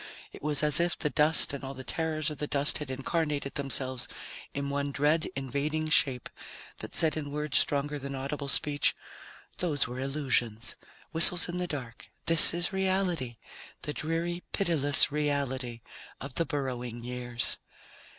It was as if the dust and all the terrors of the dust had incarnated themselves in one dread invading shape that said in words stronger than audible speech, "Those were illusions, whistles in the dark. This is reality, the dreary, pitiless reality of the Burrowing Years."